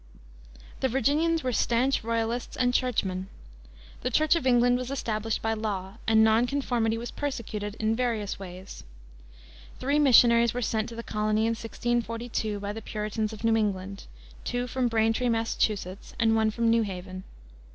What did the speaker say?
The Virginians were stanch royalists and churchmen. The Church of England was established by law, and non conformity was persecuted in various ways. Three missionaries were sent to the colony in 1642 by the Puritans of New England, two from Braintree, Massachusetts, and one from New Haven.